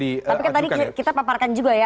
diajukan tapi tadi kita paparkan juga ya